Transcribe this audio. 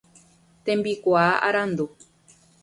Tembikuaa arandu.